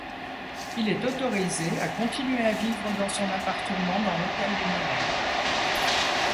Il est autorisé à continuer à vivre dans son appartement dans l'hôtel des Monnaies.